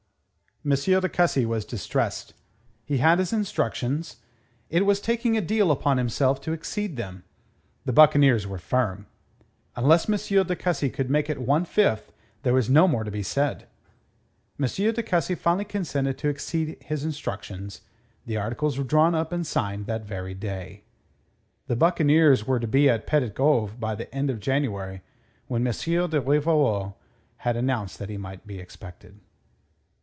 M. de Cussy was distressed. He had his instructions. It was taking a deal upon himself to exceed them. The buccaneers were firm. Unless M. de Cussy could make it one fifth there was no more to be said. M. de Cussy finally consenting to exceed his instructions, the articles were drawn up and signed that very day. The buccaneers were to be at Petit Goave by the end of January, when M. de Rivarol had announced that he might be expected.